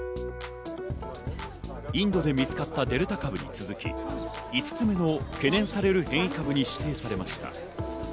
インドで見つかったデルタ株に続き、５つ目の懸念される変異株に指定されました。